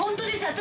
私△